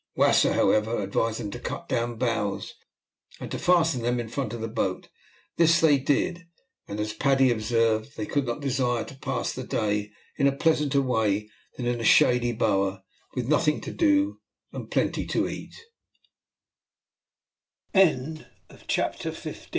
Wasser, however, advised them to cut down boughs, and to fasten them in front of the boat. This they did, and, as Paddy observed, they could not desire to pass the day in a pleasanter way than in a shady bower with nothing to do